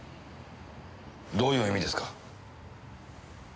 どういう意味ですか？